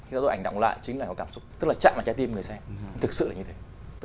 khi các bức ảnh đọng lại chính là có cảm xúc tức là chạm vào trái tim người xem thực sự là như thế